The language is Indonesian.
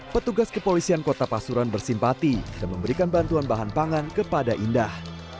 petugas kepolisian kota pasuruan bersimpati dan memberikan bantuan bahan pangan kepada indah